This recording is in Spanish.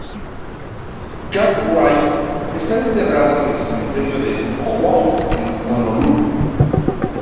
Cartwright está enterrado en el Cementerio Oahu en Honolulu.